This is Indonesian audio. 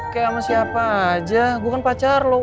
kayak sama siapa aja gue kan pacar loh